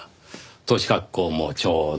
年格好もちょうど。